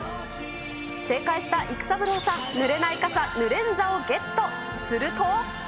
正解した育三郎さん、ぬれない傘、ヌレンザをゲット。